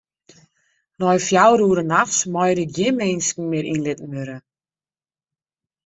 Nei fjouwer oere nachts meie der gjin minsken mear yn litten wurde.